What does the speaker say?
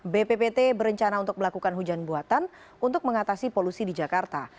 bppt berencana untuk melakukan hujan buatan untuk mengatasi polusi di jakarta